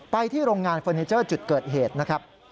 ไปที่โรงงานเฟอร์นิเจอร์จุดเกิดเหตุนะครับ